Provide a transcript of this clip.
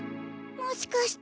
もしかして。